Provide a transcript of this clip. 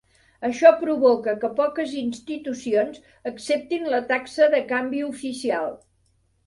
Això provoca que poques institucions acceptin la taxa de canvi oficial.